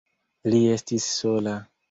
Li estis sola.